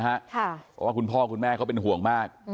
เพราะว่าคุณพ่อคุณแม่เขาเป็นห่วงมาก